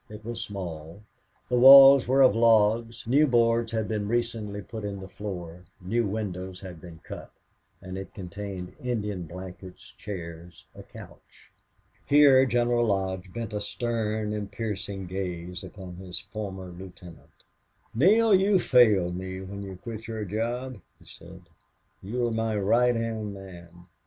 It was small; the walls were of logs; new boards had been recently put in the floor; new windows had been cut; and it contained Indian blankets, chairs, a couch. Here General Lodge bent a stern and piercing gaze upon his former lieutenant. "Neale, you failed me when you quit your job," he said. "You were my right hand man.